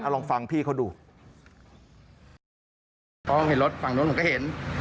ลองฟังพี่เขาดูพอเห็นรถฝั่งนู้นผมก็เห็น